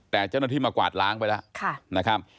แต่เจ้าหน้าที่มากวาดล้างไปแล้วนะครับ